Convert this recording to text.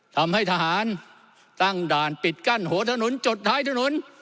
ทำให้ทหารตั้งด่านปิดกั้นหัวถนนจดท้ายถนน